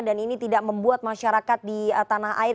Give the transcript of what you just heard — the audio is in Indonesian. dan ini tidak membuat masyarakat di tanah air